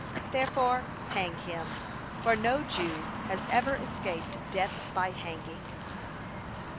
Therefore hang him, for no Jew has ever escaped death by hanging."